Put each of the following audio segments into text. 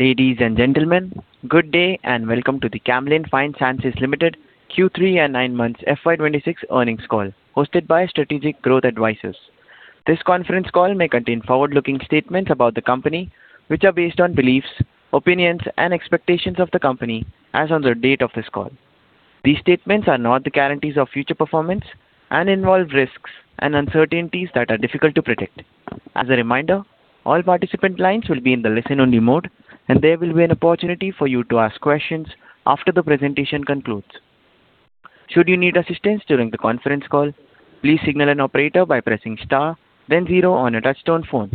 Ladies and gentlemen, good day, and welcome to the Camlin Fine Sciences Limited Q3 and nine months FY 2026 earnings call, hosted by Strategic Growth Advisors. This conference call may contain forward-looking statements about the company, which are based on beliefs, opinions, and expectations of the company as on the date of this call. These statements are not the guarantees of future performance and involve risks and uncertainties that are difficult to predict. As a reminder, all participant lines will be in the listen-only mode, and there will be an opportunity for you to ask questions after the presentation concludes. Should you need assistance during the conference call, please signal an operator by pressing star then zero on your touchtone phone.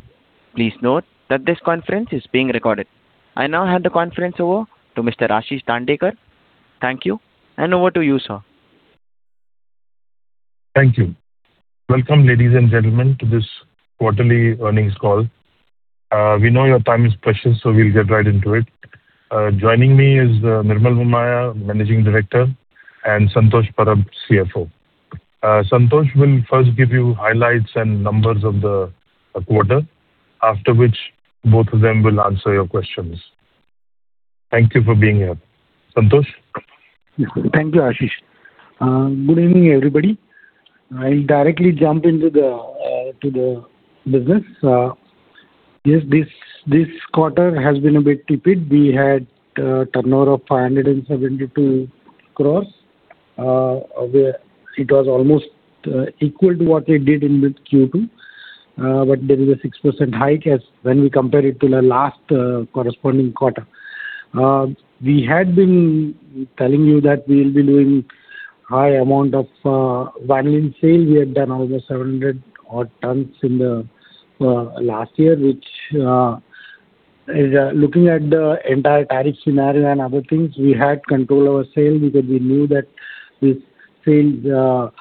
Please note that this conference is being recorded. I now hand the conference over to Mr. Ashish Dandekar. Thank you, and over to you, sir. Thank you. Welcome, ladies and gentlemen, to this quarterly earnings call. We know your time is precious, so we'll get right into it. Joining me is Nirmal Momaya, Managing Director, and Santosh Parab, CFO. Santosh will first give you highlights and numbers of the quarter, after which both of them will answer your questions. Thank you for being here. Santosh? Thank you, Ashish. Good evening, everybody. I'll directly jump into the business. Yes, this quarter has been a bit tepid. We had a turnover of 572 crore, where it was almost equal to what we did in the Q2. But there is a 6% hike as when we compare it to the last corresponding quarter. We had been telling you that we will be doing high amount of vanillin sales. We had done over 700 odd tons in the last year, which is looking at the entire tariff scenario and other things, we had controlled our sales because we knew that we failed there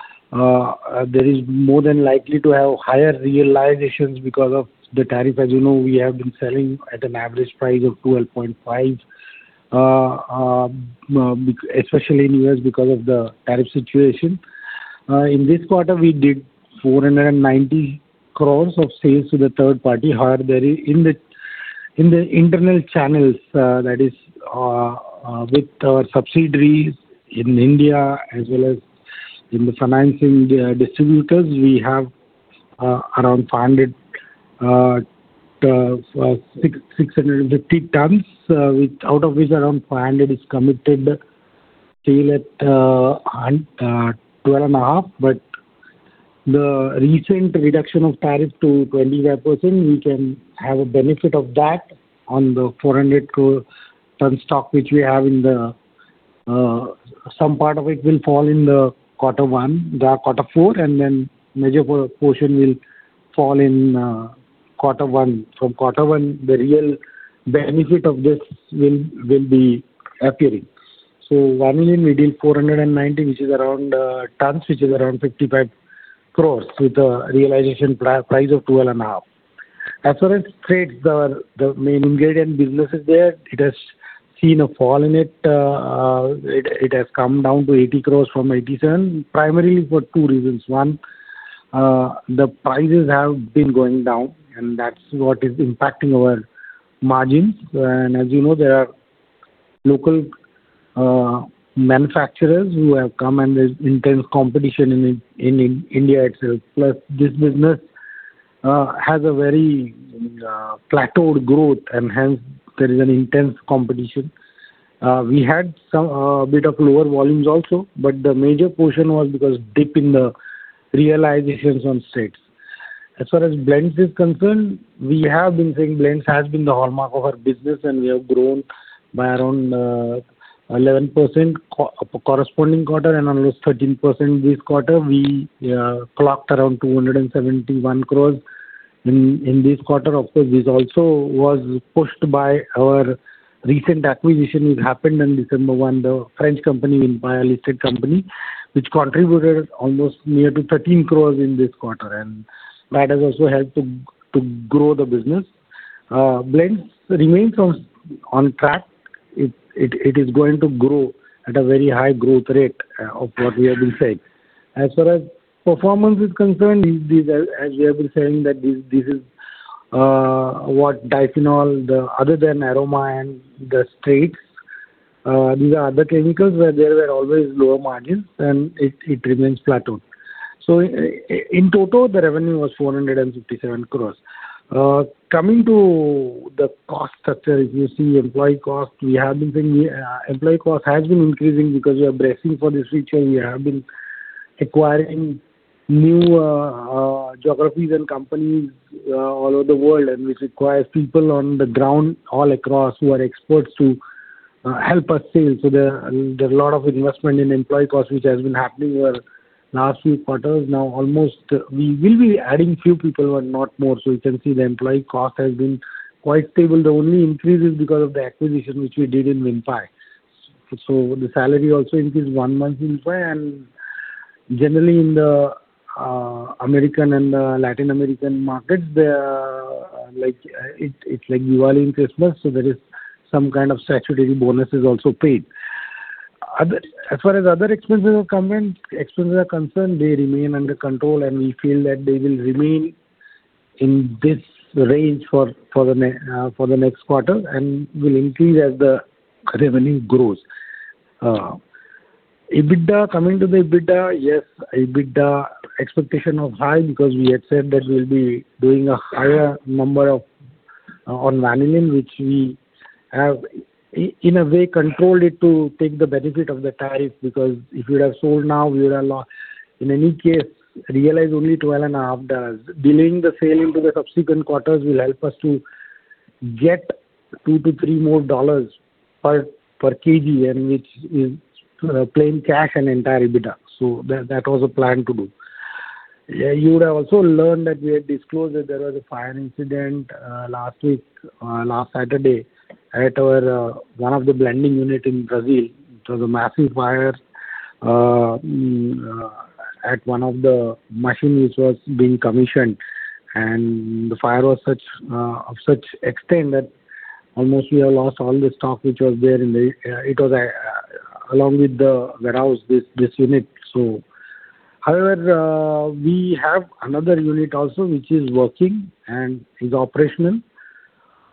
is more than likely to have higher realizations because of the tariff. As you know, we have been selling at an average price of $12.5, especially in U.S., because of the tariff situation. In this quarter, we did 490 crore of sales to the third party. However, there is in the internal channels, that is, with our subsidiaries in India as well as in the finance India distributors, we have around 500, 650 tons, out of which around 500 is committed sale at $12.5. But the recent reduction of tariff to 25%, we can have a benefit of that on the 400 crore ton stock, which we have in the, some part of it will fall in the quarter one, the quarter four, and then major portion will fall in quarter one. From quarter one, the real benefit of this will be appearing. So vanillin, we did 490 tons, which is around 55 crores, with a realization price of $12.5. As far as trades, the main ingredient business is there. It has seen a fall in it. It has come down to 80 crores from 87 crores, primarily for two reasons. One, the prices have been going down, and that's what is impacting our margins. And as you know, there are local manufacturers who have come, and there's intense competition in India itself. Plus, this business has a very plateaued growth, and hence there is an intense competition. We had some bit of lower volumes also, but the major portion was because dip in the realizations on stakes. As far as blends is concerned, we have been saying blends has been the hallmark of our business, and we have grown by around 11% corresponding quarter and almost 13% this quarter. We clocked around 271 crores in this quarter. Of course, this also was pushed by our recent acquisition, which happened in December, when the French company, Vinpai, a listed company, which contributed almost near to 13 crores in this quarter, and that has also helped to grow the business. Blends remains on track. It is going to grow at a very high growth rate of what we have been saying. As far as performance is concerned, as we have been saying, that this is what diphenol, the... Other than aroma and the stakes, these are other chemicals where there were always lower margins, and it, it remains plateaued. So in total, the revenue was 457 crore. Coming to the cost structure, if you see employee costs, we have been saying, employee cost has been increasing because we are bracing for the future. We have been acquiring new, geographies and companies, all over the world, and which requires people on the ground all across who are experts to, help us sell. So there, there's a lot of investment in employee costs, which has been happening over last few quarters. Now, almost, we will be adding few people, but not more. So you can see the employee cost has been quite stable. The only increase is because of the acquisition, which we did in Vinpai. So the salary also increased one month in Vinpai, and generally, in the American and Latin American markets, there are like, it's like Diwali and Christmas, so there is some kind of statutory bonuses also paid. Other, as far as other expenses are concerned, expenses are concerned, they remain under control, and we feel that they will remain in this range for the next quarter and will increase as the revenue grows. EBITDA, coming to the EBITDA, yes, EBITDA expectation was high because we had said that we'll be doing a higher number of on vanillin, which we have, in a way, controlled it to take the benefit of the tariff because if we would have sold now, we would have lo-- In any case, realize only $12.5. Delaying the sale into the subsequent quarters will help us to get $2-$3 more per kg, and which is plain cash and entire EBITDA. So that was a plan to do. You would have also learned that we had disclosed that there was a fire incident last week, last Saturday, at our one of the blending unit in Brazil. It was a massive fire at one of the machine which was being commissioned, and the fire was such of such extent that almost we have lost all the stock which was there in the... It was along with the warehouse, this unit. So however, we have another unit also, which is working and is operational.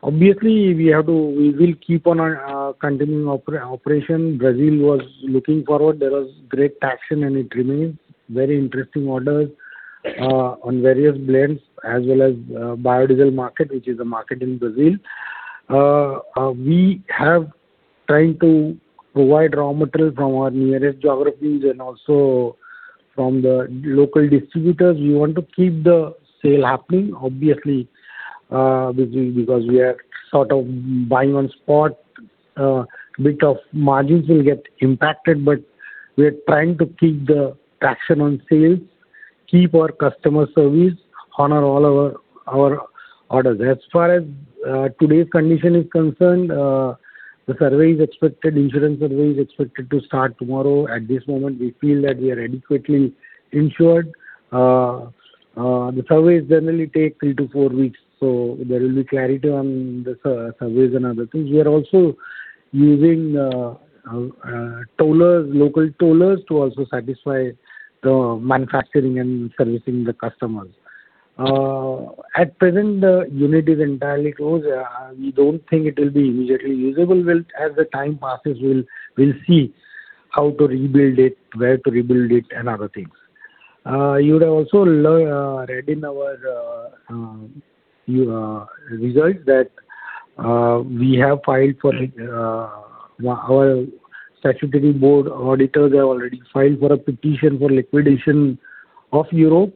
Obviously, we have to we will keep on continuing operation. Brazil was looking forward. There was great traction, and it remains. Very interesting orders on various blends as well as biodiesel market, which is a market in Brazil. We have trying to provide raw material from our nearest geographies and also from the local distributors. We want to keep the sale happening, obviously, because we are sort of buying on spot, bit of margins will get impacted, but we are trying to keep the traction on sales, keep our customer service, honor all our orders. As far as today's condition is concerned, the survey is expected, insurance survey is expected to start tomorrow. At this moment, we feel that we are adequately insured. The surveys generally take three to four weeks, so there will be clarity on the surveys and other things. We are also using tollers, local tollers to also satisfy the manufacturing and servicing the customers. At present, the unit is entirely closed. We don't think it will be immediately usable. As the time passes, we'll see how to rebuild it, where to rebuild it and other things. You would have also read in our results that our statutory board auditors have already filed for a petition for liquidation of Europe.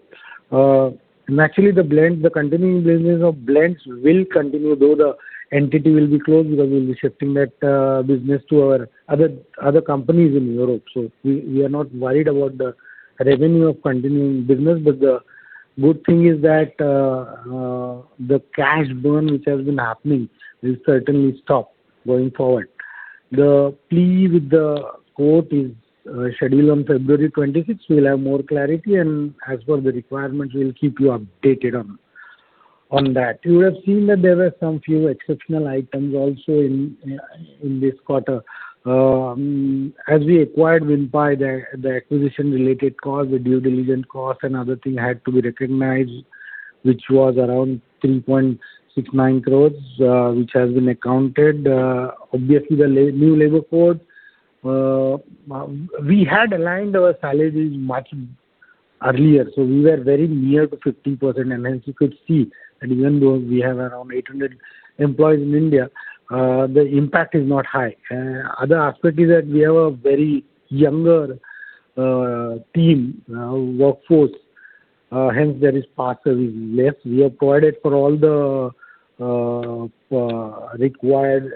And actually, the blends, the continuing business of blends will continue, though the entity will be closed because we'll be shifting that business to our other companies in Europe. So we are not worried about the revenue of continuing business. But the good thing is that, the cash burn, which has been happening, will certainly stop going forward. The plea with the court is, scheduled on February twenty-sixth. We'll have more clarity, and as per the requirement, we'll keep you updated on, that. You would have seen that there were some few exceptional items also in, in this quarter. As we acquired Vinpai, the, the acquisition-related cost, the due diligence cost and other thing had to be recognized, which was around 3.69 crores, which has been accounted. Obviously, the new labor code. We had aligned our salaries much earlier, so we were very near to 50%. And as you could see, that even though we have around 800 employees in India, the impact is not high. Other aspect is that we have a very younger team workforce, hence there is partially less. We have provided for all the required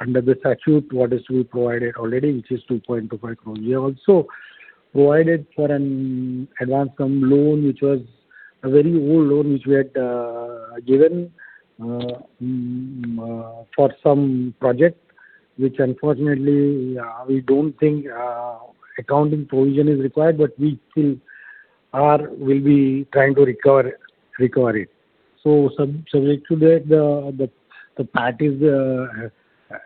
under the statute, what is to be provided already, which is 2.25 crore. We have also provided for an advance loan, which was a very old loan, which we had given for some project, which unfortunately, we don't think accounting provision is required, but we still are, will be trying to recover it. So subject to that, the PAT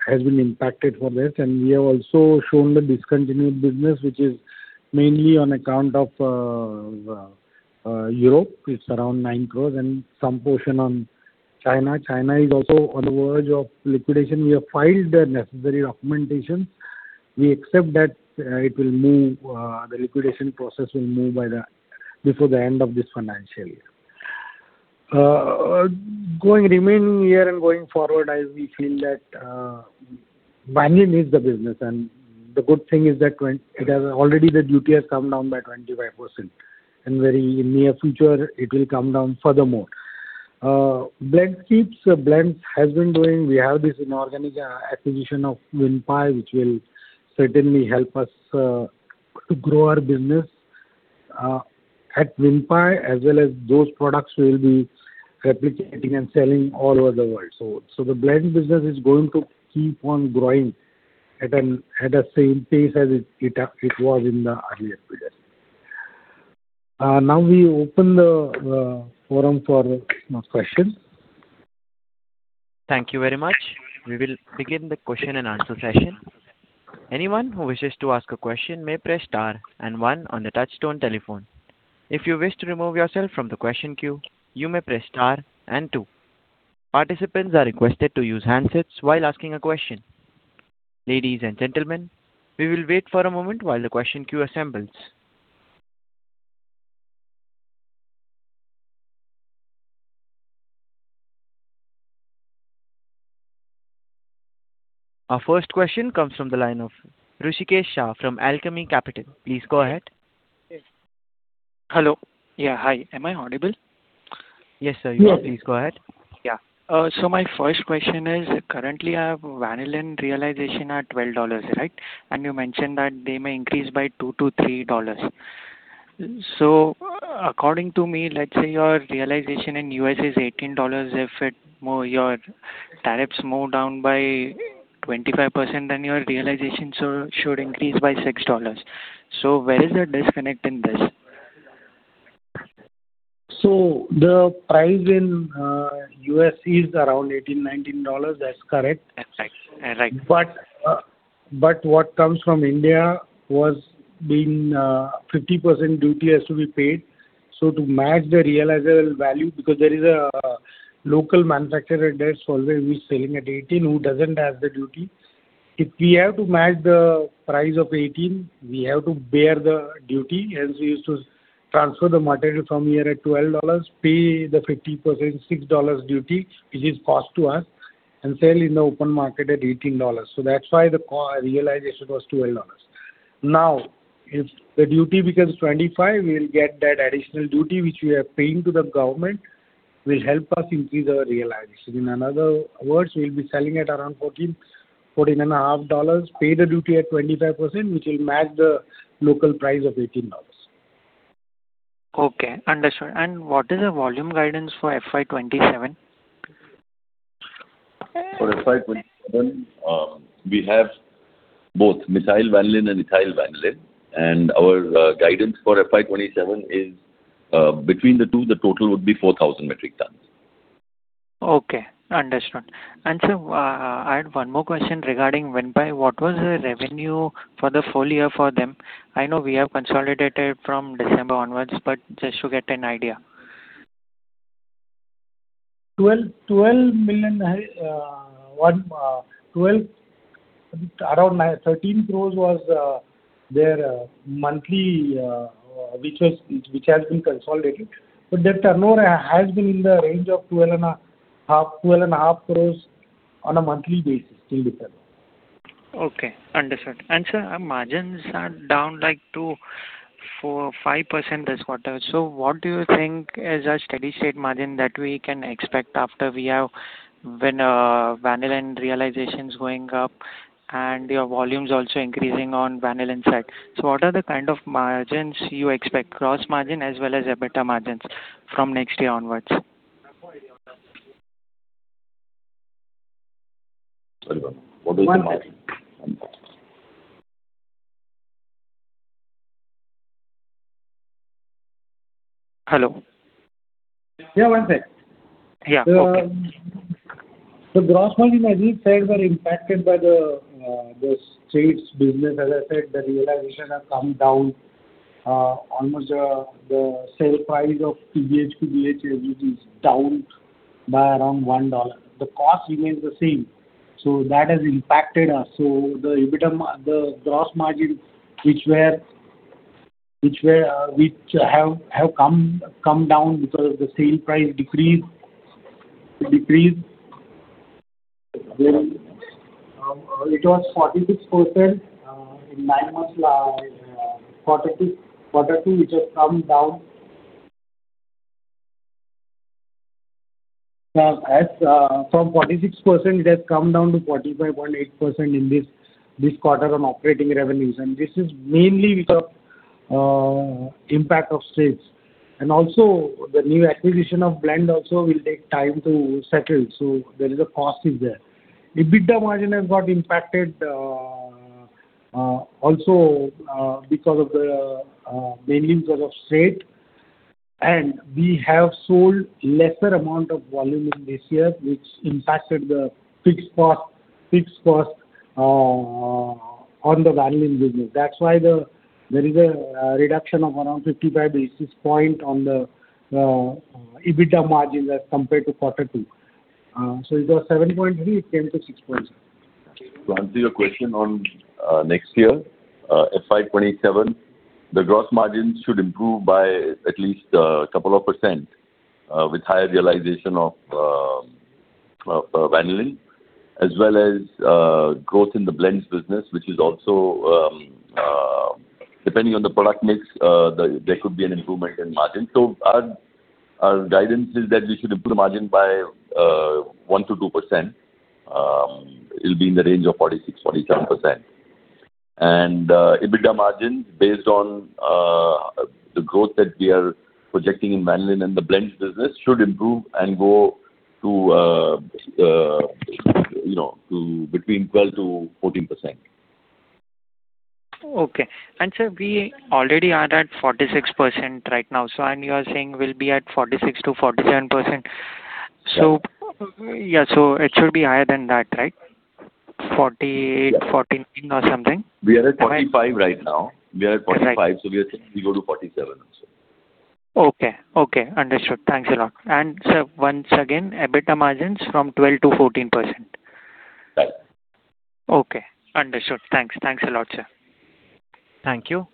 has been impacted for this. We have also shown the discontinued business, which is mainly on account of Europe. It's around 9 crore and some portion on China. China is also on the verge of liquidation. We have filed the necessary documentation. We accept that it will move the liquidation process will move by the before the end of this financial year. Going remaining year and going forward, as we feel that vanillin is the business, and the good thing is that when it has already the duty has come down by 25%, and very near future, it will come down furthermore. Blend keeps, blend has been growing. We have this inorganic acquisition of Vinpai, which will certainly help us to grow our business at Vinpai, as well as those products we will be replicating and selling all over the world. So the blend business is going to keep on growing at an at the same pace as it it it was in the earlier years. Now we open the forum for more questions. Thank you very much. We will begin the question and answer session. Anyone who wishes to ask a question may press star and one on the touchtone telephone. If you wish to remove yourself from the question queue, you may press star and two. Participants are requested to use handsets while asking a question. Ladies and gentlemen, we will wait for a moment while the question queue assembles. Our first question comes from the line of Hrushikesh Shah from Alchemy Capital. Please go ahead. Hello. Yeah. Hi. Am I audible? Yes, sir. You are. Please go ahead. Yeah. So my first question is, currently, I have vanillin realization at $12, right? And you mentioned that they may increase by $2-$3. So according to me, let's say your realization in U.S. is $18. If it more your tariffs move down by 25%, then your realization so should increase by $6. So where is the disconnect in this? The price in U.S. is around $18-$19. That's correct. That's right. Right. But what comes from India, 50% duty has to be paid. So to match the realizable value, because there is a local manufacturer that's always selling at $18, who doesn't have the duty. If we have to match the price of $18, we have to bear the duty, and we used to transfer the material from here at $12, pay the 50%, $6 duty, which is cost to us, and sell in the open market at $18. So that's why the realization was $12. Now, if the duty becomes 25%, we'll get that additional duty, which we are paying to the government, will help us increase our realization. In another words, we'll be selling at around $14-$14.5, pay the duty at 25%, which will match the local price of $18. Okay, understood. What is the volume guidance for FY 27? For FY 2027, we have both Methyl Vanillin and Ethyl Vanillin, and our guidance for FY 2027 is, between the two, the total would be 4,000 metric tons. Okay, understood. And, sir, I had one more question regarding Vinpai. What was the revenue for the full year for them? I know we have consolidated from December onwards, but just to get an idea. Around 13 crores was their monthly, which has been consolidated, but that turnover has been in the range of 12.5 crores on a monthly basis in the term. Okay, understood. And, sir, our margins are down, like, to 4%-5% this quarter. So what do you think is a steady state margin that we can expect after we have when vanillin realization is going up and your volume is also increasing on vanillin side? So what are the kind of margins you expect, gross margin as well as EBITDA margins from next year onwards? Sorry, what is the margin? Hello. Yeah, one sec. Yeah. Okay. The gross margin, as you said, was impacted by the States business. As I said, the realization has come down almost the sale price of BHA, TBHQ is down by around $1. The cost remains the same, so that has impacted us. So the gross margin, which has come down because of the sale price decrease. It was 46% in nine months quarter two, which has come down. Now, from 46%, it has come down to 45.8% in this quarter on operating revenues, and this is mainly because impact of States. And also the new acquisition of Blend also will take time to settle, so there is a cost in there. EBITDA margin has got impacted, also, because of the, mainly because of state, and we have sold lesser amount of volume in this year, which impacted the fixed cost, fixed cost, on the vanillin business. That's why the... There is a reduction of around 55 basis point on the EBITDA margin as compared to quarter two. So it was 7.3, it came to 6 point. To answer your question on next year, FY27, the gross margin should improve by at least a couple of percent with higher realization of vanillin, as well as growth in the blends business, which is also depending on the product mix, there could be an improvement in margin. So our guidance is that we should improve the margin by 1-2%. It'll be in the range of 46-47%. EBITDA margin, based on the growth that we are projecting in vanillin and the blends business, should improve and go to, you know, to between 12%-14%. Okay. And sir, we already are at 46% right now, so and you are saying we'll be at 46%-47%. So, yeah, so it should be higher than that, right? 48, 49 or something. We are at 45 right now. We are at 45, so we are saying we go to 47. Okay, okay. Understood. Thanks a lot. And sir, once again, EBITDA margins from 12%-14%? Right. Okay, understood. Thanks. Thanks a lot, sir. Thank you.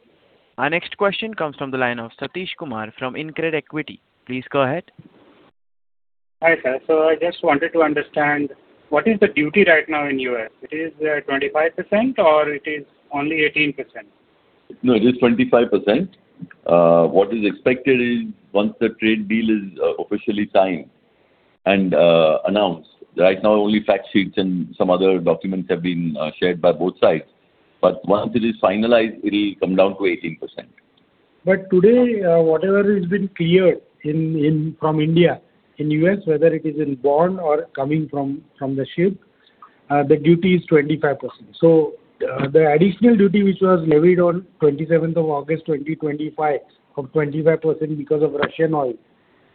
Our next question comes from the line of Satish Kumar from InCred Equity. Please go ahead. Hi, sir. So I just wanted to understand, what is the duty right now in U.S.? It is 25% or it is only 18%? No, it is 25%. What is expected is once the trade deal is officially signed and announced. Right now, only fact sheets and some other documents have been shared by both sides. But once it is finalized, it'll come down to 18%. But today, whatever has been cleared in from India, in U.S., whether it is in bond or coming from the ship, the duty is 25%. So, the additional duty which was levied on twenty-seventh of August, 2025 of 25% because of Russian oil,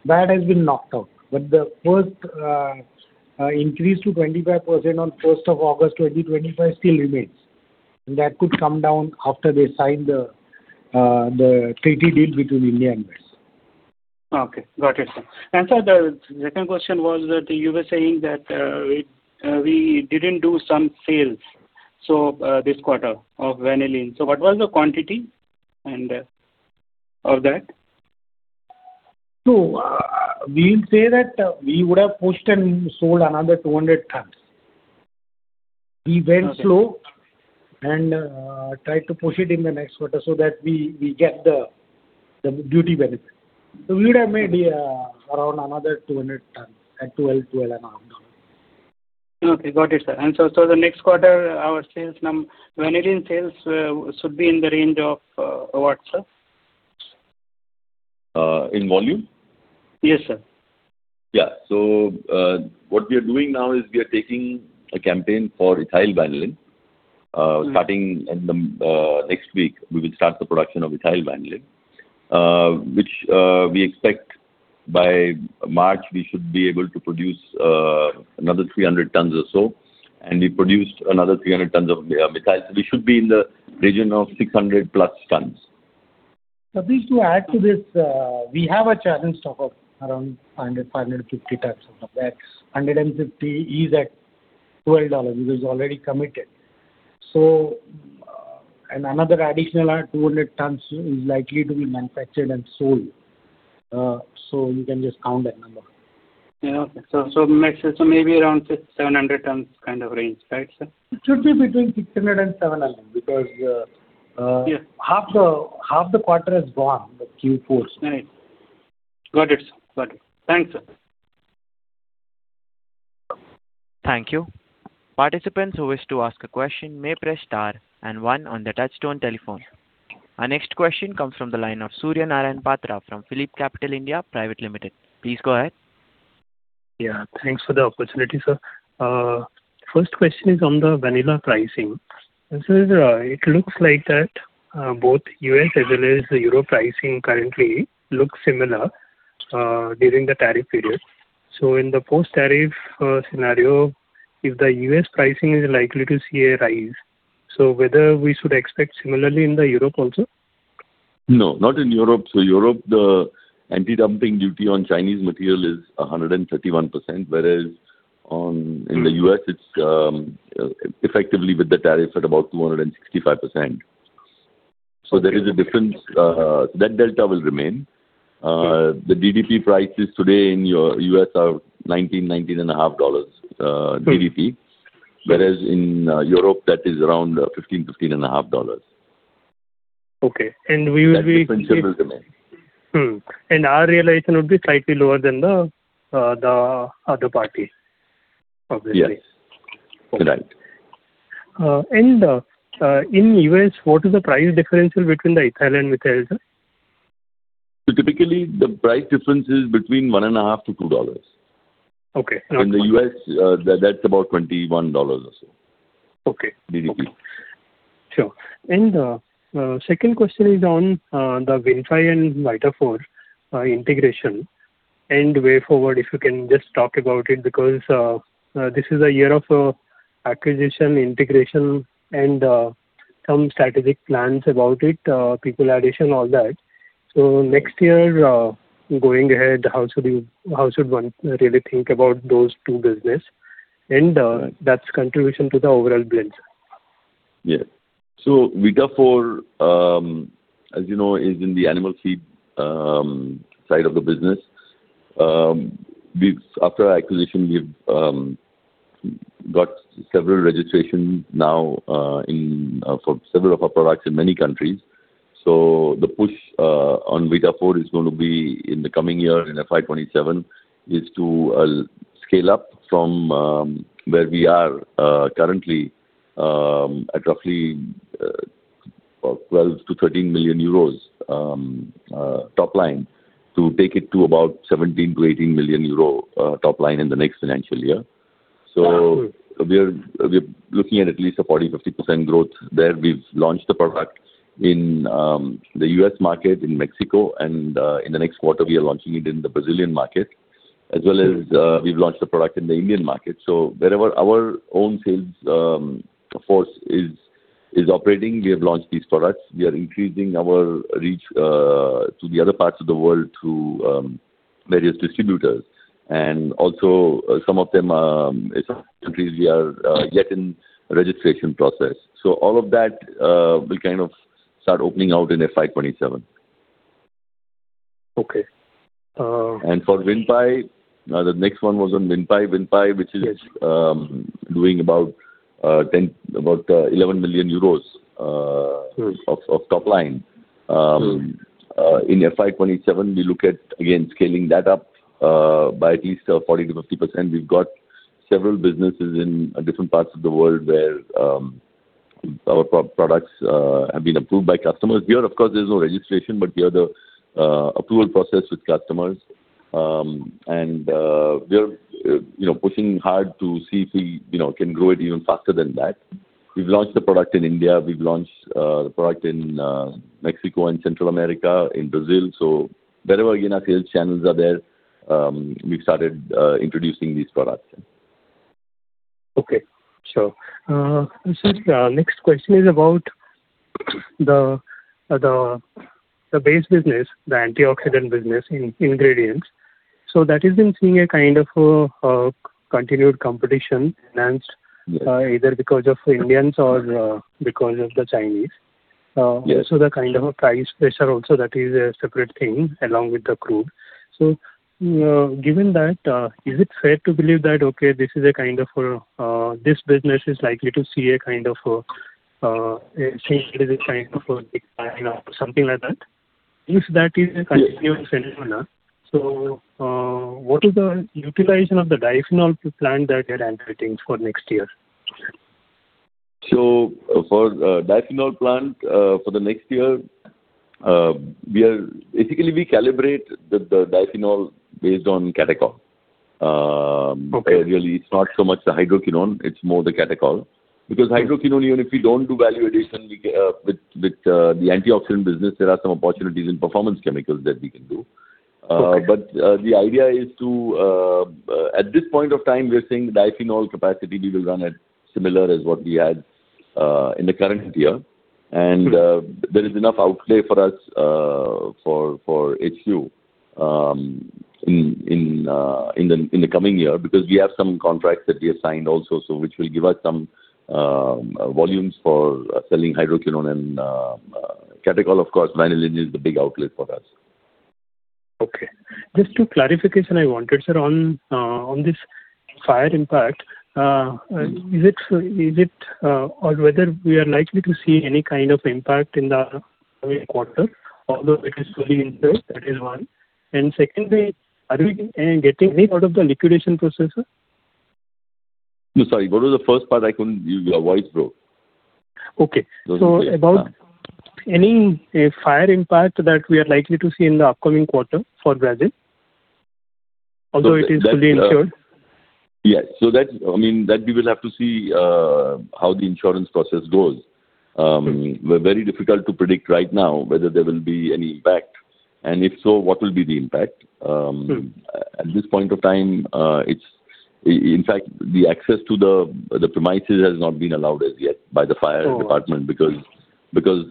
that has been knocked out. But the first increase to 25% on first of August, 2025, still remains. And that could come down after they sign the treaty deal between India and U.S. Okay, got it, sir. And sir, the second question was that you were saying that we didn't do some sales, so this quarter of vanillin. So what was the quantity and of that? So, we'd say that, we would have pushed and sold another 200 tons. We went slow- Okay. tried to push it in the next quarter so that we get the duty benefit. So we would have made around another 200 tons at $12-$12.5. Okay, got it, sir. And so, the next quarter, our vanillin sales should be in the range of, what, sir? In volume? Yes, sir. Yeah. So, what we are doing now is we are taking a campaign for Ethyl Vanillin. Mm. Starting in the next week, we will start the production of ethyl vanillin, which we expect by March, we should be able to produce another 300 tons or so, and we produced another 300 tons of methyl. We should be in the region of 600+ tons. Satish, to add to this, we have a challenged stock of around 150, 550 tons of that. 150 is at $12. It is already committed. So, and another additional 200 tons is likely to be manufactured and sold. So you can just count that number. Yeah, okay. So, maybe around 600-700 tons kind of range, right, sir? It should be between 600 and 700, because. Yes. Half the quarter is gone, the Q4. Right. Got it, sir. Got it. Thanks, sir. Thank you. Participants who wish to ask a question may press star and one on the touchtone telephone. Our next question comes from the line of Surya Narayan Patra from Philip Capital India Private Limited. Please go ahead. Yeah, thanks for the opportunity, sir. First question is on the vanillin pricing. This is, it looks like that, both U.S. as well as the Europe pricing currently looks similar, during the tariff period. So in the post-tariff scenario, if the U.S. pricing is likely to see a rise, so whether we should expect similarly in the Europe also? No, not in Europe. So Europe, the anti-dumping duty on Chinese material is 131%, whereas on- Mm. In the U.S., it's effectively with the tariff at about 265%. Okay. There is a difference. That delta will remain. Okay. The DDP prices today in the US are $19-$19.5. Mm. -DDP. Whereas in Europe, that is around $15-$15.5. Okay. And we will be- That difference will remain. Mm. And our realization would be slightly lower than the other parties, obviously. Yes. Correct. in U.S., what is the price differential between the ethyl and methyl, sir? Typically, the price difference is between $1.5-$2. Okay. In the U.S., that's about $21 or so. Okay. DDP. Sure. And, second question is on the Vinpai and Vitafor integration and way forward, if you can just talk about it, because this is a year of acquisition, integration, and some strategic plans about it, people addition, all that. So next year, going ahead, how should you—how should one really think about those two business and that's contribution to the overall blend, sir? Yeah. So Vitafor, as you know, is in the animal feed side of the business. We've... After acquisition, we've got several registrations now in for several of our products in many countries. So the push on Vitafor is going to be in the coming year, in FY 2027, is to scale up from where we are currently at roughly 12 million-13 million euros top line, to take it to about 17 million-18 million euro top line in the next financial year. So we're looking at least a 40%-50% growth there. We've launched the product in the U.S. market, in Mexico, and in the next quarter, we are launching it in the Brazilian market, as well as we've launched the product in the Indian market. So wherever our own sales force is operating, we have launched these products. We are increasing our reach to the other parts of the world through various distributors. And also, some of them in some countries we are yet in registration process. So all of that will kind of start opening out in FY 2027. Okay. Uh- For Vinpai, the next one was on Vinpai. Vinpai, which is- Yes... doing about 10 million, about 11 million euros. Mm-hmm... of top line. Mm-hmm. In FY 2027, we look at, again, scaling that up by at least 40%-50%. We've got several businesses in different parts of the world where our products have been approved by customers. Here, of course, there's no registration, but we have the approval process with customers. And we are, you know, pushing hard to see if we, you know, can grow it even faster than that. We've launched the product in India. We've launched the product in Mexico and Central America, in Brazil. So wherever, you know, sales channels are there, we've started introducing these products. Okay. So, sir, the next question is about the base business, the antioxidant business in Ingredients. So that has been seeing a kind of continued competition enhanced, either because of the Indians or because of the Chinese. Yes. So the kind of a price pressure also, that is a separate thing, along with the crude. So, given that, is it fair to believe that, okay, this is a kind of, this business is likely to see a kind of, a change in the kind of, something like that? If that is a continuing phenomenon, so, what is the utilization of the diphenol plant that you're undertaking for next year? So, for the diphenol plant, for the next year, we are... Basically, we calibrate the diphenol based on catechol. Okay. Really, it's not so much the hydroquinone, it's more the catechol. Because hydroquinone, even if we don't do value addition, we get with the antioxidant business, there are some opportunities in performance chemicals that we can do. Okay. But the idea is, at this point of time, we are saying the diphenol capacity we will run at similar as what we had in the current year. Mm-hmm. There is enough outlet for us for HQ in the coming year, because we have some contracts that we have signed also, so which will give us some volumes for selling Hydroquinone and Catechol. Of course, Vanillin is the big outlet for us. Okay. Just two clarification I wanted, sir. On this fire impact, is it or whether we are likely to see any kind of impact in the coming quarter, although it is fully insured? That is one. And secondly, are we getting any out of the liquidation process, sir? No, sorry. What was the first part? I couldn't... Your voice broke. Okay. So- About any fire impact that we are likely to see in the upcoming quarter for Brazil, although it is fully insured. Yeah. So that, I mean, that we will have to see how the insurance process goes. Mm-hmm. We're very difficult to predict right now whether there will be any impact, and if so, what will be the impact? Mm-hmm. At this point of time, in fact, the access to the premises has not been allowed as yet by the fire department. Oh... because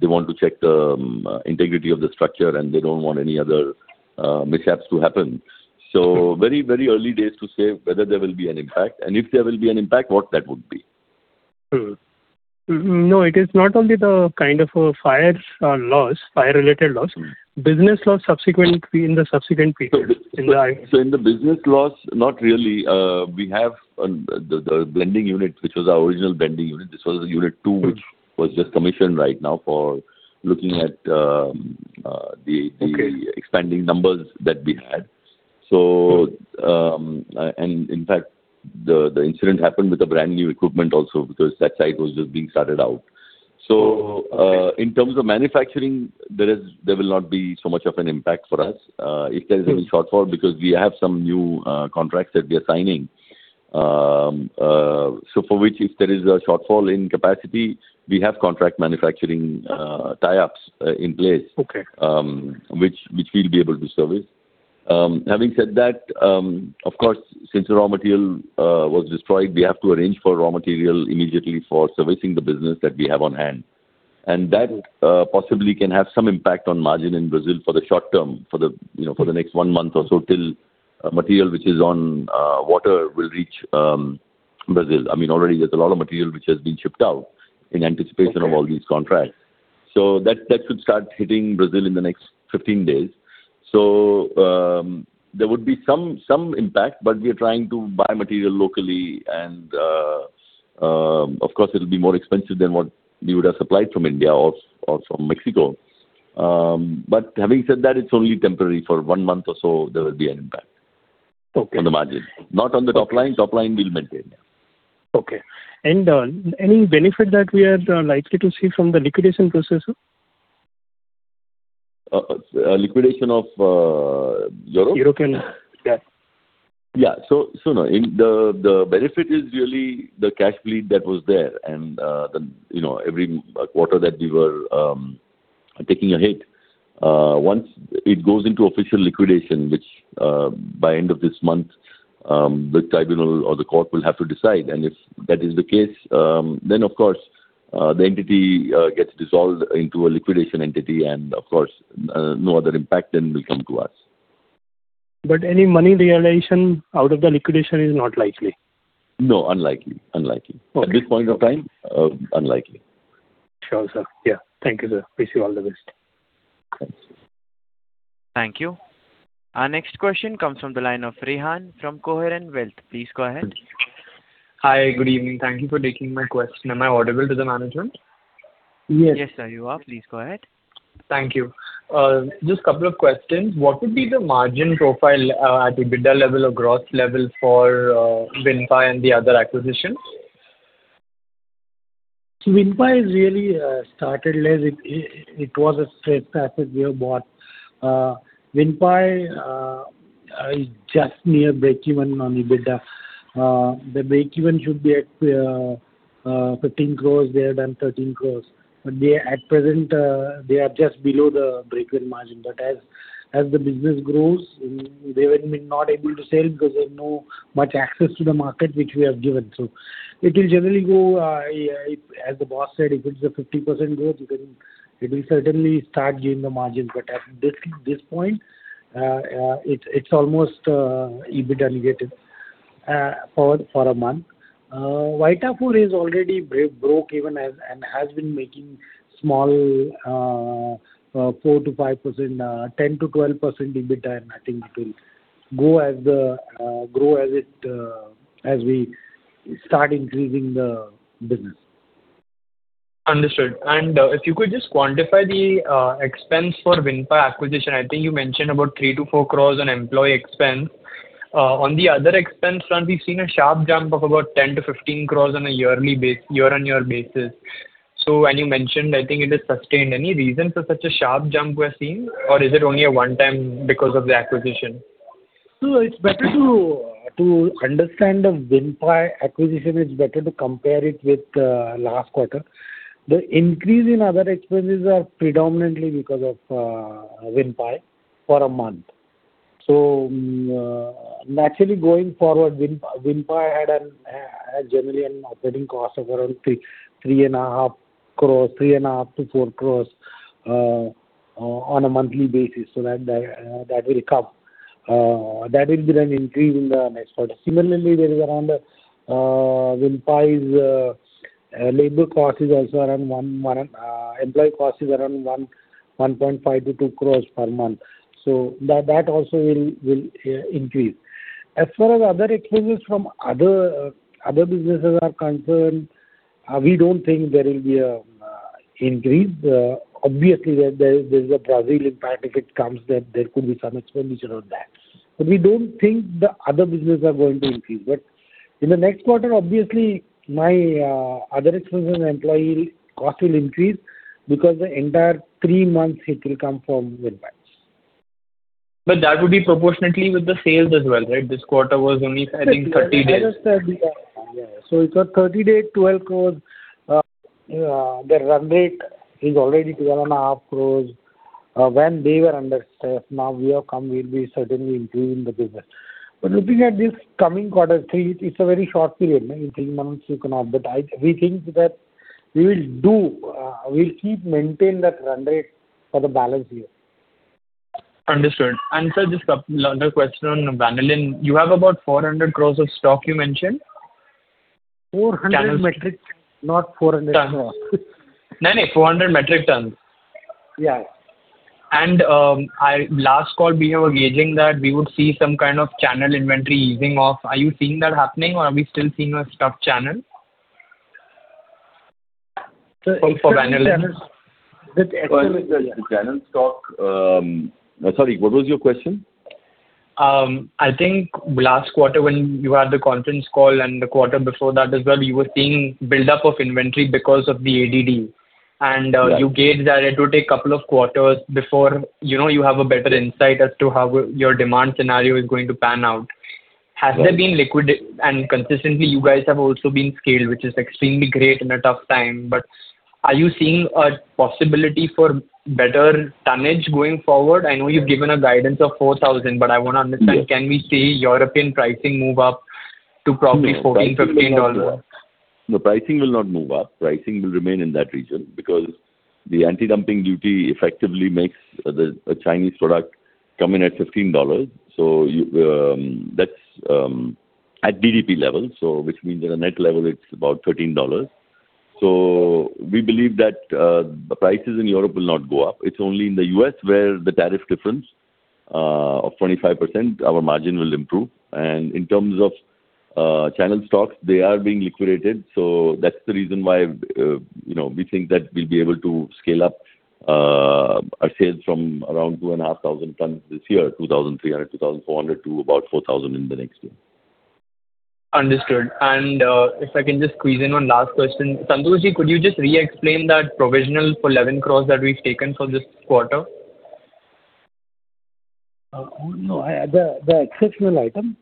they want to check the integrity of the structure, and they don't want any other mishaps to happen. So very, very early days to say whether there will be an impact, and if there will be an impact, what that would be. Mm-hmm. No, it is not only the kind of fire loss, fire-related loss- Mm-hmm. Business loss subsequently in the subsequent period, in the- So in the business loss, not really. We have the blending unit, which was our original blending unit. This was unit two- Mm-hmm. Which was just commissioned right now for looking at the- Okay... the expanding numbers that we had. So, and in fact, the incident happened with a brand-new equipment also, because that site was just being started out. Mm-hmm. So, in terms of manufacturing, there will not be so much of an impact for us. If there is any shortfall, because we have some new contracts that we are signing. So for which if there is a shortfall in capacity, we have contract manufacturing tie-ups in place. Okay. which we'll be able to service. Having said that, of course, since the raw material was destroyed, we have to arrange for raw material immediately for servicing the business that we have on hand. And that possibly can have some impact on margin in Brazil for the short term, for the, you know, for the next one month or so, till material which is on water will reach Brazil. I mean, already there's a lot of material which has been shipped out in anticipation- Okay... of all these contracts. That should start hitting Brazil in the next 15 days. There would be some impact, but we are trying to buy material locally and, of course, it'll be more expensive than what we would have supplied from India or from Mexico. But having said that, it's only temporary. For one month or so, there will be an impact- Okay... on the margin. Not on the top line. Okay. Top line, we'll maintain. Okay. Any benefit that we are likely to see from the liquidation process, sir?... liquidation of Europe? European, yeah. Yeah. So now in the benefit is really the cash bleed that was there, and you know every quarter that we were taking a hit. Once it goes into official liquidation, which by end of this month the tribunal or the court will have to decide, and if that is the case, then of course the entity gets dissolved into a liquidation entity, and of course no other impact then will come to us. Any money realization out of the liquidation is not likely? No, unlikely. Unlikely. Okay. At this point of time, unlikely. Sure, sir. Yeah. Thank you, sir. Wish you all the best. Thanks. Thank you. Our next question comes from the line of Rehan from Coheron Wealth. Please go ahead. Hi, good evening. Thank you for taking my question. Am I audible to the management? Yes. Yes, sir, you are. Please go ahead. Thank you. Just couple of questions. What would be the margin profile at the EBITDA level or growth level for Vinpai and the other acquisitions? Vinpai really started late. It was a straight asset we have bought. Vinpai is just near breakeven on EBITDA. The breakeven should be at 15 crore. They have done 13 crore. But they are at present just below the breakeven margin, but as the business grows, they would be not able to sell because they have no much access to the market, which we have given. So it will generally go, yeah, as the boss said, if it's a 50% growth, it will certainly start gaining the margins. But at this point, it's almost EBITDA negative for a month. Vitafor is already broken even and has been making small 4%-5%, 10%-12% EBITDA, and I think it will grow as we start increasing the business. Understood. And if you could just quantify the expense for Vinpai acquisition. I think you mentioned about 3-4 crore on employee expense. On the other expense front, we've seen a sharp jump of about 10-15 crore on a year-on-year basis. So when you mentioned, I think it is sustained. Any reason for such a sharp jump we're seeing, or is it only a one-time because of the acquisition? It's better to understand the Vinpai acquisition, it's better to compare it with last quarter. The increase in other expenses is predominantly because of Vinpai for a month. So, naturally, going forward, Vinpai had generally an operating cost of around 3.5-4 crores on a monthly basis, so that will come. That will be an increase in the next quarter. Similarly, Vinpai's employee cost is also around 1.5-2 crores per month. So that also will increase. As far as other expenses from other businesses are concerned, we don't think there will be an increase. Obviously, there is a Brazil impact. If it comes, then there could be some expenditure on that. But we don't think the other businesses are going to increase. But in the next quarter, obviously, other expenses and employee cost will increase because the entire three months it will come from Vinpai. But that would be proportionately with the sales as well, right? This quarter was only, I think, 30 days. I just said that, yeah. So it's a 30-day, 12 crore. The run rate is already 2.5 crore, when they were under staff. Now we have come, we'll be certainly increasing the business. But looking at this coming quarter three, it's a very short period, right? Three months, you cannot... But I, we think that we will do, we'll keep maintaining that run rate for the balance year. Understood. Sir, just a couple, another question on vanillin. You have about 400 crore of stock you mentioned? 400 metric, not 400 crore. No, no, 400 metric tons. Yeah. Last call, we were gauging that we would see some kind of channel inventory easing off. Are you seeing that happening, or are we still seeing a stuck channel? Sir, for Vanillin- The channel stock, sorry, what was your question? I think last quarter, when you had the conference call and the quarter before that as well, you were seeing buildup of inventory because of the ADD. Yeah. You gauged that it would take couple of quarters before, you know, you have a better insight as to how your demand scenario is going to pan out. Right. Has there been liquidation? Consistently, you guys have also been scaled, which is extremely great in a tough time. Are you seeing a possibility for better tonnage going forward? I know you've given a guidance of 4,000, but I want to understand- Yes. Can we see European pricing move up to probably $14-$15? The pricing will not move up. Pricing will remain in that region because the anti-dumping duty effectively makes a Chinese product come in at $15. So that's at DDP level, so which means at a net level, it's about $13. So we believe that the prices in Europe will not go up. It's only in the U.S. where the tariff difference of 25%, our margin will improve. And in terms of channel stocks, they are being liquidated, so that's the reason why you know, we think that we'll be able to scale up our sales from around 2,500 tons this year, 2,300, 2,400 to about 4,000 in the next year. ... Understood. And, if I can just squeeze in one last question. Santoshji, could you just re-explain that provisional for 11 crore that we've taken for this quarter? Oh, no, the exceptional item?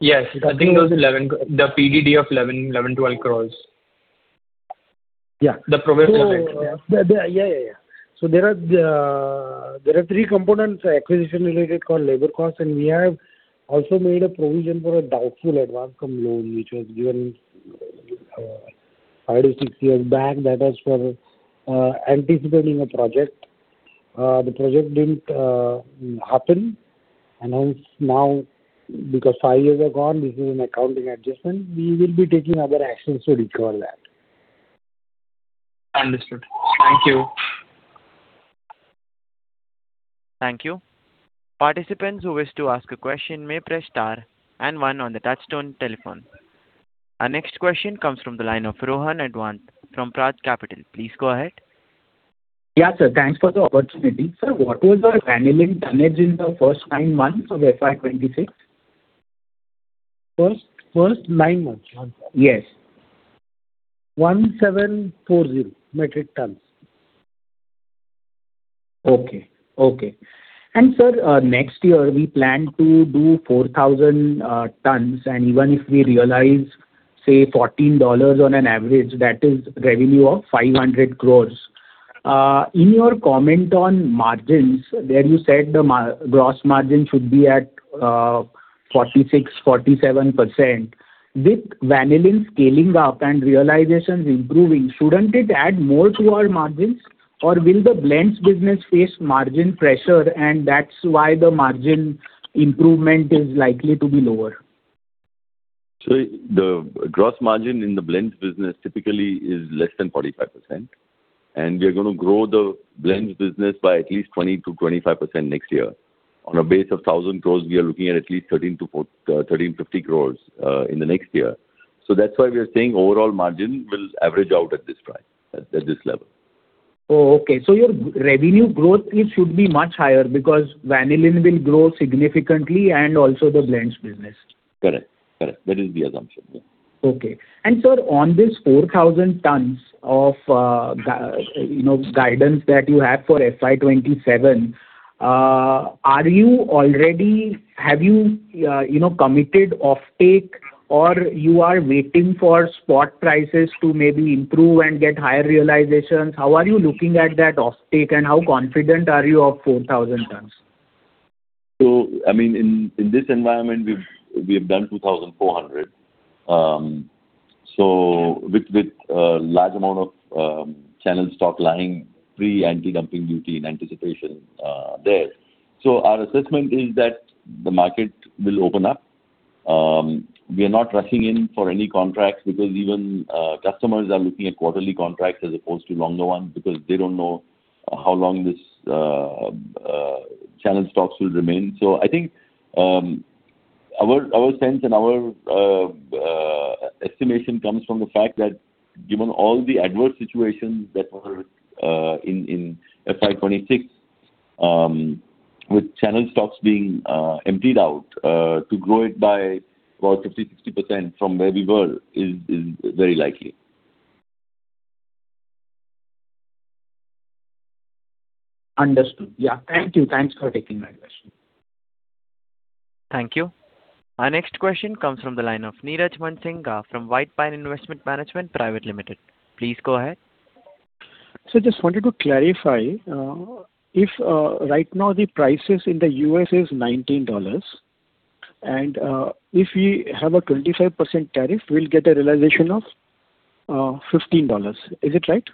Yes. I think it was 11, the PDD of 11, 11, 12 crores. Yeah. The provisional item. So there are three components, acquisition related called labor costs, and we have also made a provision for a doubtful advance from loan, which was given 5-6 years back. That was for anticipating a project. The project didn't happen, and hence now, because 5 years are gone, this is an accounting adjustment. We will be taking other actions to recover that. Understood. Thank you. Thank you. Participants who wish to ask a question may press star and one on the touchtone telephone. Our next question comes from the line of Rohan Advant from Prad Capital. Please go ahead. Yeah, sir, thanks for the opportunity. Sir, what was your Vanillin tonnage in the first nine months of FY 2026? First nine months? Yes. 1,740 metric tons. Okay. Okay. Sir, next year we plan to do 4,000 tons, and even if we realize, say, $14 on an average, that is revenue of 500 crore. In your comment on margins, there you said the gross margin should be at 46%-47%. With vanillin scaling up and realizations improving, shouldn't it add more to our margins, or will the blends business face margin pressure, and that's why the margin improvement is likely to be lower? So the gross margin in the blends business typically is less than 45%, and we are going to grow the blends business by at least 20%-25% next year. On a base of 1,000 crores, we are looking at at least 13-15 crores in the next year. So that's why we are saying overall margin will average out at this price, at, at this level. Oh, okay. So your revenue growth, it should be much higher because Vanillin will grow significantly and also the blends business. Correct, correct. That is the assumption, yeah. Okay. And sir, on this 4,000 tons of guaiacol, you know, guidance that you have for FY 2027, are you already... Have you, you know, committed offtake, or you are waiting for spot prices to maybe improve and get higher realizations? How are you looking at that offtake, and how confident are you of 4,000 tons? So I mean, in this environment, we've done 2,400. So with a large amount of channel stock lying pre-anti-dumping duty in anticipation there. So our assessment is that the market will open up. We are not rushing in for any contracts because even customers are looking at quarterly contracts as opposed to longer ones, because they don't know how long this channel stocks will remain. So I think our sense and our estimation comes from the fact that given all the adverse situations that were in FY 2026, with channel stocks being emptied out, to grow it by about 50%-60% from where we were is very likely. Understood. Yeah. Thank you. Thanks for taking my question. Thank you. Our next question comes from the line of Niraj Mansingka from Whitepine Investment Management Private Limited. Please go ahead. So just wanted to clarify, if right now the prices in the U.S. is $19, and if we have a 25% tariff, we'll get a realization of $15. Is it right?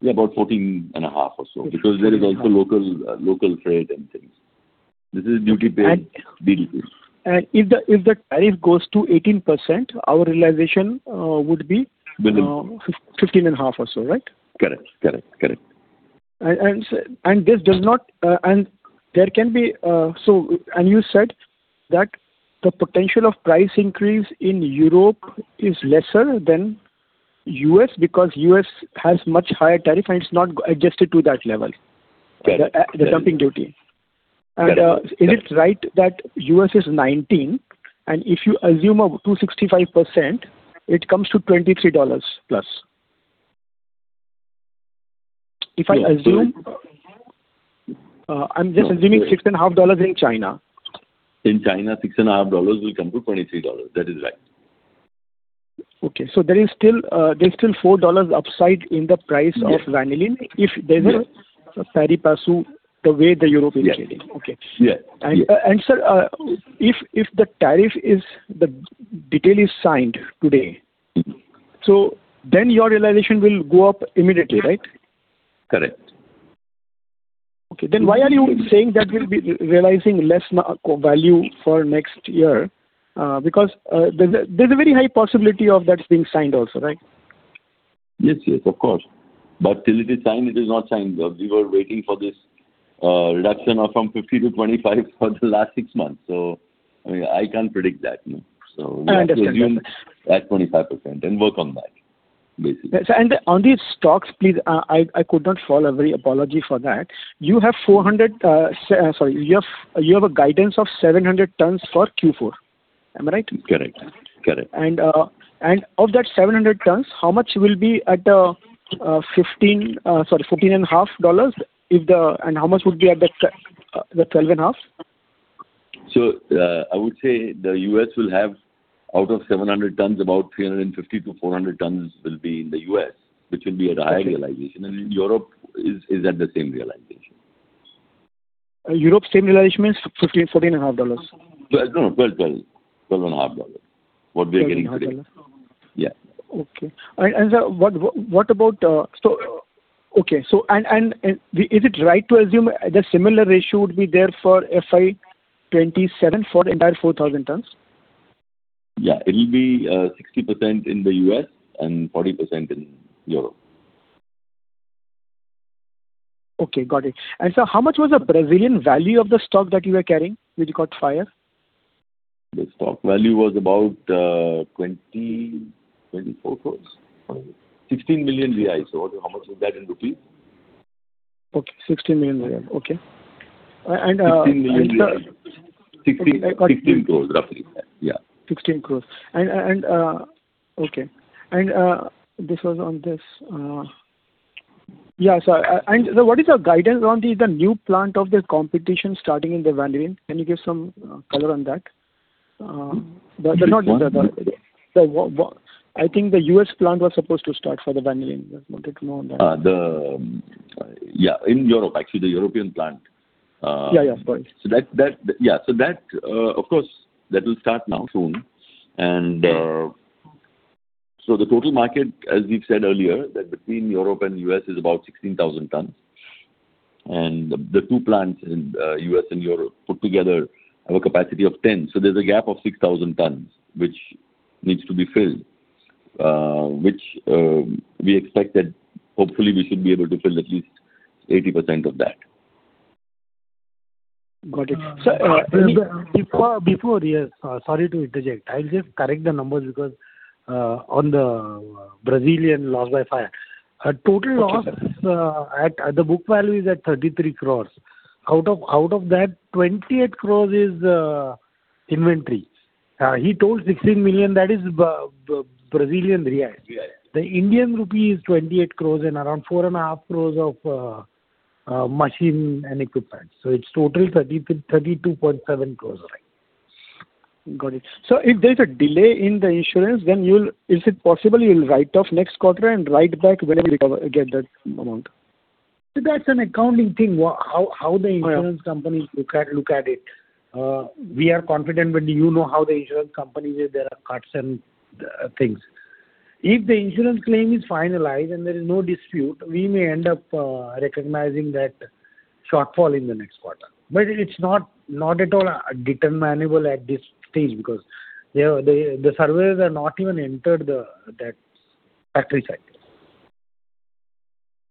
Yeah, about 14.5 or so, because there is also local trade and things. This is duty paid, DDP. And if the tariff goes to 18%, our realization would be- Within. 15.5 or so, right? Correct, correct, correct. Sir, this does not... And there can be, so you said that the potential of price increase in Europe is lesser than U.S. because U.S. has much higher tariff, and it's not adjusted to that level- Correct. The dumping duty. Correct. Is it right that U.S. is 19, and if you assume a 265%, it comes to $23+? If I assume- Yeah. I'm just assuming $6.5 in China. In China, $6.5 will come to $23. That is right. Okay. So there is still, there's still $4 upside in the price- Yes. of vanillin- Yes. If there's a tariff, pursue the way Europe is getting. Yeah. Okay. Yeah. And, sir, if the tariff deal is signed today, so then your realization will go up immediately, right? Correct. Okay. Then why are you saying that we'll be realizing less value for next year? Because there's a very high possibility of that being signed also, right? Yes, yes, of course. But till it is signed, it is not signed. We were waiting for this, reduction from 50-25 for the last six months. So, I mean, I can't predict that, you know? So- I understand. We have to assume at 25% and work on that. ... And on these stocks, please, I could not follow, very apology for that. You have 400, sorry, you have a guidance of 700 tons for Q4. Am I right? Correct. Correct. of that 700 tons, how much will be at $14.5 if the, and how much would be at the $12.5? I would say the U.S. will have out of 700 tons, about 350-400 tons will be in the U.S., which will be at a high realization, and Europe is at the same realization. Europe same realization means $15-$14.5? No, no, $12, $12, $12.5. What we are getting today. $12.5. Yeah. Okay. And, sir, what about... So, okay, is it right to assume the similar ratio would be there for FY 2027 for the entire 4,000 tons? Yeah, it'll be 60% in the U.S. and 40% in Europe. Okay, got it. And, sir, how much was the Brazilian value of the stock that you were carrying, which you got fire? The stock value was about 24 crore. 16 million. So how much is that in rupees? Okay, 16 million. Okay. And, 16 million. 16, 16 crores, roughly. Yeah. 16 crore. And, and, okay. And, this was on this... Yeah, so and what is your guidance on the new plant of the competition starting in the vanillin? Can you give some color on that? But not in the... Which one? I think the U.S. plant was supposed to start for the vanillin. I wanted to know on that. Yeah, in Europe, actually, the European plant, Yeah, yeah, of course. So that, of course, that will start now, soon. And, so the total market, as we've said earlier, that between Europe and U.S. is about 16,000 tons. And the two plants in U.S. and Europe put together have a capacity of 10. So there's a gap of 6,000 tons, which needs to be filled, which we expect that hopefully we should be able to fill at least 80% of that. Got it. So, yes, sorry to interject. I'll just correct the numbers, because on the Brazilian loss by fire, total loss at the book value is at 33 crores. Out of that, 28 crores is inventory. He told 16 million, that is Brazilian real. Real. The Indian rupee is 28 crores and around 4.5 crores of machine and equipment. So it's total 32.7 crores. Got it. So if there's a delay in the insurance, then you'll... Is it possible you'll write off next quarter and write back whenever you recover, get that amount? So that's an accounting thing, how the insurance- Right... companies look at, look at it. We are confident, but you know how the insurance companies, there are cuts and things. If the insurance claim is finalized and there is no dispute, we may end up recognizing that shortfall in the next quarter. But it's not at all determinable at this stage, because the surveyors have not even entered that factory site.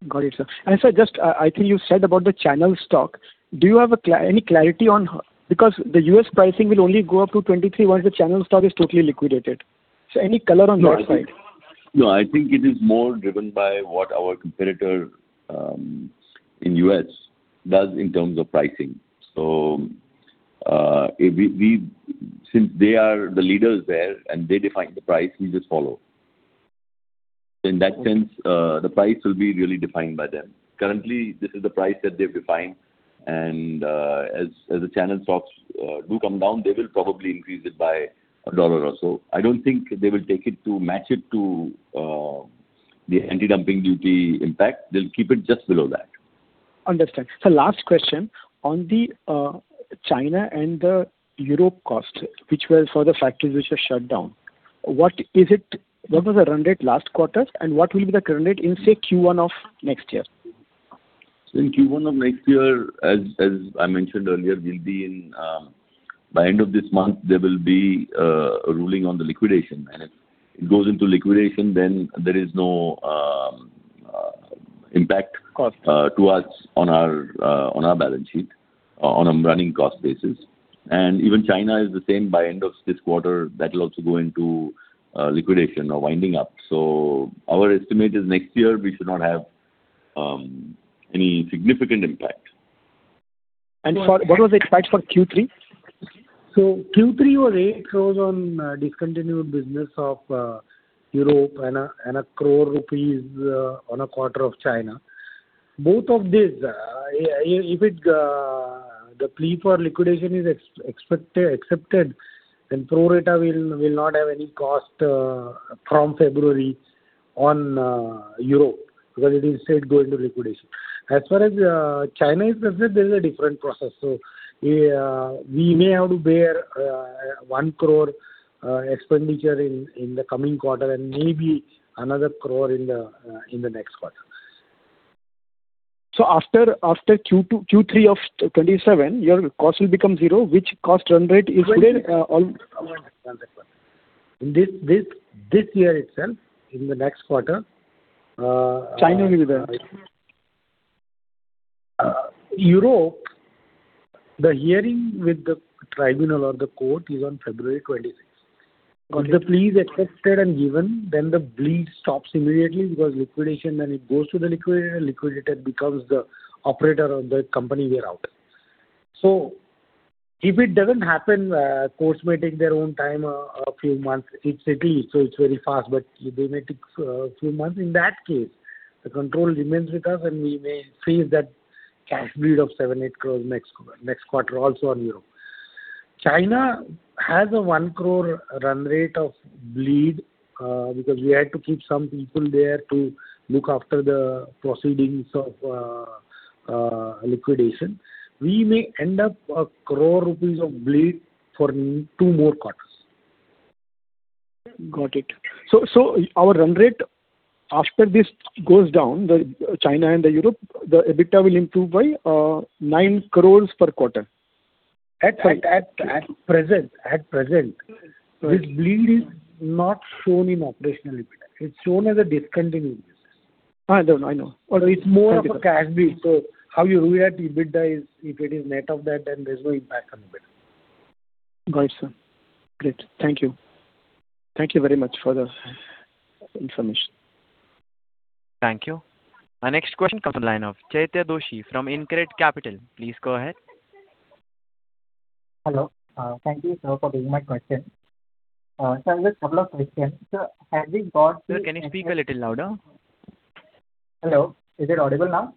Got it, sir. And, sir, just, I think you said about the channel stock. Do you have any clarity on... Because the US pricing will only go up to $23, once the channel stock is totally liquidated. So any color on your side? No, I think it is more driven by what our competitor in the U.S. does in terms of pricing. So, since they are the leaders there and they define the price, we just follow. In that sense, the price will be really defined by them. Currently, this is the price that they've defined, and as the channel stocks do come down, they will probably increase it by $1 or so. I don't think they will take it to match it to the anti-dumping duty impact. They'll keep it just below that. Understood. So last question, on the China and the Europe cost, which were for the factories which were shut down, what was the run rate last quarter, and what will be the run rate in, say, Q1 of next year? In Q1 of next year, as I mentioned earlier, we'll be in by end of this month, there will be a ruling on the liquidation. And if it goes into liquidation, then there is no impact- Cost... to us on our balance sheet, on a running cost basis. And even China is the same by end of this quarter, that will also go into liquidation or winding up. So our estimate is next year, we should not have any significant impact. Sorry, what was the impact for Q3? So Q3 was 8 crore on discontinued business of Europe and 1 crore rupees on a quarter of China. Both of these, if the plea for liquidation is accepted, then pro rata will not have any cost from February on Europe, because it is, as said, going to liquidation. As far as China is concerned, there's a different process. So we may have to bear 1 crore expenditure in the coming quarter and maybe another 1 crore in the next quarter. After Q2, Q3 of 2027, your cost will become zero, which cost run rate is today, all? In this year itself, in the next quarter, China will be there?... Europe, the hearing with the tribunal or the court is on February 26th. Once the plea is accepted and given, then the bleed stops immediately because liquidation, and it goes to the liquidator, liquidator becomes the operator of the company, we are out. So if it doesn't happen, courts may take their own time, a few months. It's Italy, so it's very fast, but they may take a few months. In that case, the control remains with us, and we may face that cash bleed of 7 crore-8 crore next quarter also on Europe. China has a 1 crore run rate of bleed, because we had to keep some people there to look after the proceedings of liquidation. We may end up 1 crore rupees of bleed for two more quarters. Got it. So our run rate after this goes down, the China and the Europe, the EBITDA will improve by 9 crore per quarter? At present, this bleed is not shown in operational EBITDA. It's shown as a discontinued business. No, I know. It's more of a cash bleed, so how you look at EBITDA is if it is net of that, then there's no impact on EBITDA. Got it, sir. Great. Thank you. Thank you very much for the information. Thank you. Our next question comes from the line of Chaitya Doshi from InCred Capital. Please go ahead. Hello. Thank you, sir, for giving my question. Sir, just a couple of questions. Sir, have you got the- Sir, can you speak a little louder? Hello. Is it audible now?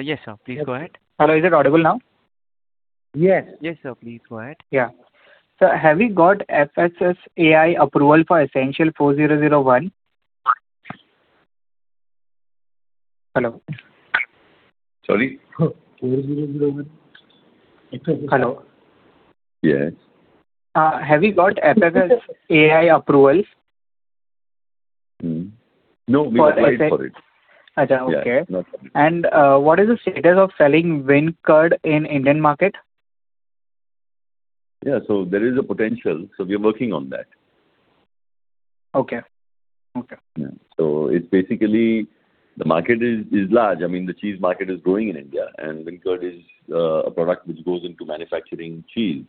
Yes, sir. Please go ahead. Hello, is it audible now? Yes. Yes, sir, please go ahead. Yeah. Sir, have you got FSSAI approval for Ezential 4001? Hello. Sorry. 4001. Hello. Yes. Have you got FSSAI approval? Mm-hmm. No, we applied for it. Okay. Yeah, not yet. What is the status of selling Vin'Curd in Indian market? Yeah, so there is a potential, so we are working on that. Okay. Okay. Yeah. So it's basically, the market is large. I mean, the cheese market is growing in India, and Vin'Curd is a product which goes into manufacturing cheese.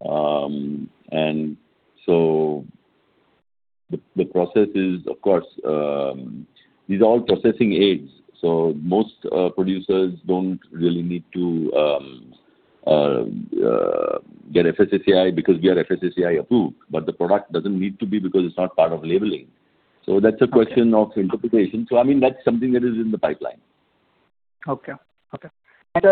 And so the process is, of course, these are all processing aids, so most producers don't really need to get FSSAI because we are FSSAI approved, but the product doesn't need to be because it's not part of labeling. So that's a question of interpretation. So I mean, that's something that is in the pipeline. Okay. Okay. And,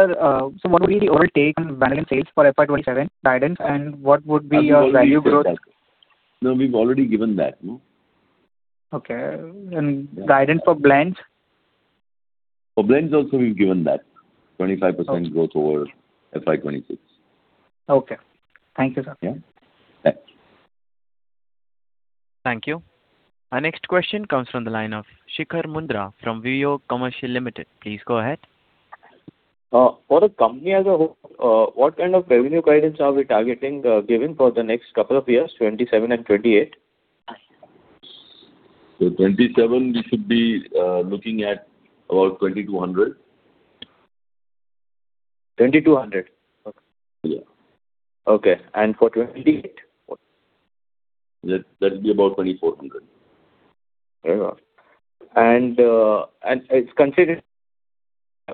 so what would be the overall take on vanillin sales for FY 27 guidance, and what would be your value growth? No, we've already given that, no? Okay. And guidance for blends? For blends also, we've given that. 25% growth over FY 2026. Okay. Thank you, sir. Yeah. Thanks. Thank you. Our next question comes from the line of Shikhar Mundra from Vivog Commercial Limited. Please go ahead. For the company as a whole, what kind of revenue guidance are we targeting, giving for the next couple of years, 2027 and 2028? 2027, we should be looking at about 2,200. 200? Yeah. Okay. And for 28? That, that'll be about 2,400. Very well. And, and it's considered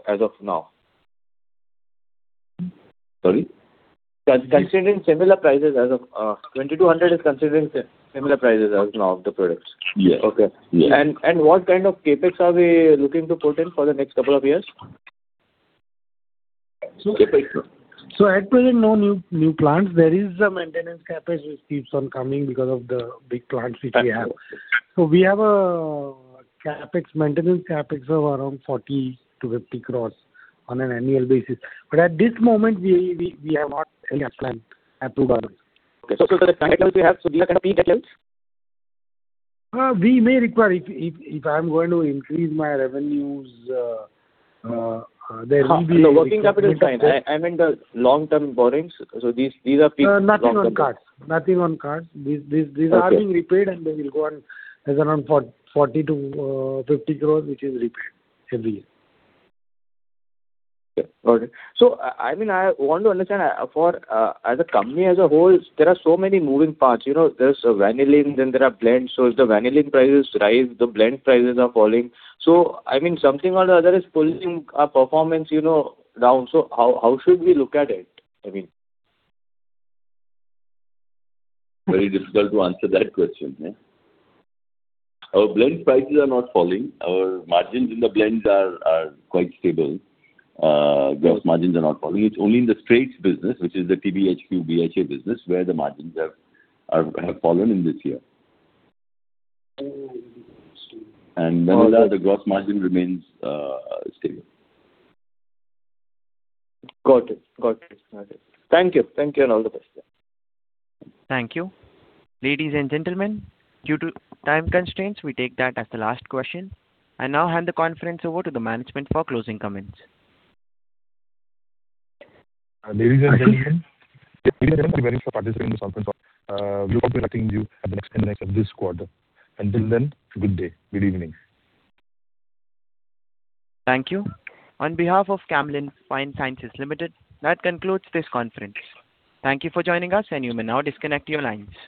as of now? Sorry? Considering similar prices as of 2,200 is considering similar prices as now of the products. Yes. Okay. Yes. What kind of CapEx are we looking to put in for the next couple of years? So at present, no new plants. There is a maintenance CapEx which keeps on coming because of the big plants which we have. So we have a CapEx, maintenance CapEx of around 40-50 crores on an annual basis. But at this moment, we have not any plans at the moment. Okay, so for the CapEx we have, so these are gonna be CapEx? We may require... If I'm going to increase my revenues, there will be- The working capital is fine. I, I meant the long-term borrowings. So these, these are peak- Nothing on cards. Nothing on cards. These, these, these are being repaid, and they will go on as around for 40 to 50 crores, which is repaid every year. Okay, got it. So I mean, I want to understand, for, as a company as a whole, there are so many moving parts, you know, there's vanillin, then there are blends. So if the vanillin prices rise, the blend prices are falling. So I mean, something or the other is pulling our performance, you know, down. So how should we look at it? I mean... Very difficult to answer that question, yeah. Our blend prices are not falling. Our margins in the blends are quite stable. Gross margins are not falling. It's only in the straights business, which is the TBHQ, BHA business, where the margins have fallen in this year. Oh, I see. Vanillin, the gross margin remains stable. Got it. Got it. Got it. Thank you. Thank you, and all the best. Thank you. Ladies and gentlemen, due to time constraints, we take that as the last question. I now hand the conference over to the management for closing comments. Ladies and gentlemen, thank you very much for participating in this conference call. We hope to be talking to you at the next end of this quarter. Until then, good day. Good evening. Thank you. On behalf of Camlin Fine Sciences Limited, that concludes this conference. Thank you for joining us, and you may now disconnect your lines.